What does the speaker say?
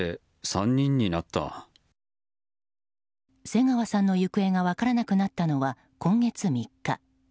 瀬川さんの行方が分からなくなったのは今月３日。